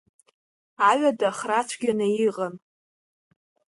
Аҩада храцәгьаны иҟан.